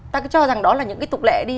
ta cứ cho rằng đó là những cái tục lệ đi